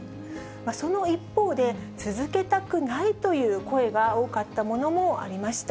その一方で、続けたくないという声が多かったものもありました。